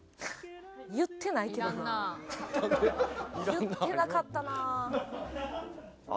言ってなかったな。